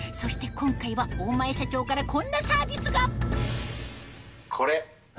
今回は大前社長からこんなサービスがこれ。